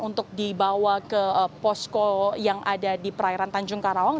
untuk dibawa ke posko yang ada di perairan tanjung karawang